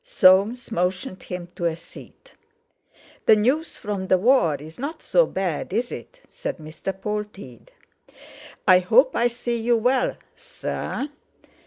Soames motioned him to a seat. "The news from the war is not so bad, is it?" said Mr. Polteed. "I hope I see you well, sir."